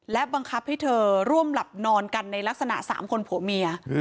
และบังคับให้เธอร่วมหลับนอนกันในลักษณะ๓คนผัวเมีย